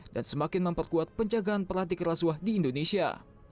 dan semakin memperkuat penjagaan perlatih kerasuah di indonesia